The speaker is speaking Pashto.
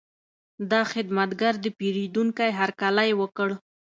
دا خدمتګر د پیرودونکي هرکلی وکړ.